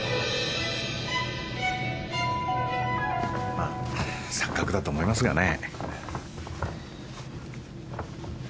まあ錯覚だと思いますがね。